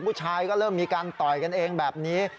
ผู้ชายก็เริ่มมีการต่อยกันเองแบบนี้